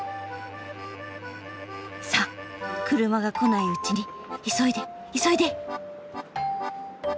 さあ車が来ないうちに急いで急いで。